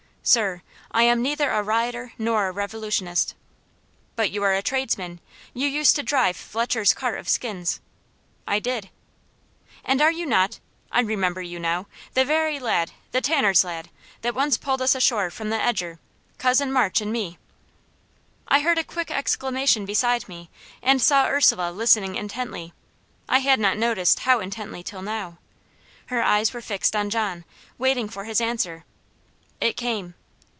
"Sir, I am neither a rioter nor a revolutionist." "But you are a tradesman? You used to drive Fletcher's cart of skins." "I did." "And are you not I remember you now the very lad, the tanner's lad, that once pulled us ashore from the eger Cousin March and me?" I heard a quick exclamation beside me, and saw Ursula listening intently I had not noticed how intently till now. Her eyes were fixed on John, waiting for his answer. It came.